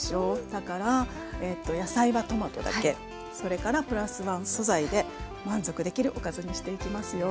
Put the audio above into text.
だから野菜はトマトだけそれからプラスワン素材で満足できるおかずにしていきますよ。